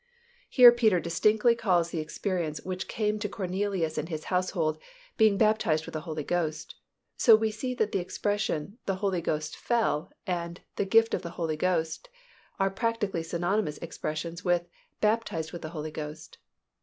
Here Peter distinctly calls the experience which came to Cornelius and his household, being baptized with the Holy Ghost, so we see that the expression "the Holy Ghost fell" and "the gift of the Holy Ghost" are practically synonymous expressions with "baptized with the Holy Ghost."